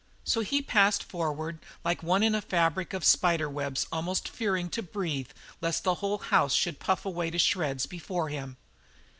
So he passed forward like one in a fabric of spider webs almost fearing to breathe lest the whole house should puff away to shreds before him.